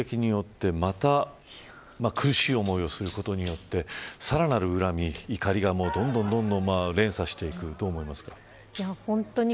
ここで攻撃によって、また苦しい思いをすることによってさらなる恨み怒りがどんどん連鎖していく、どう思いますか。